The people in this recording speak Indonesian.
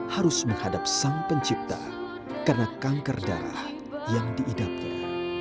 harus menghadap sang pencipta karena kanker darah yang diidapnya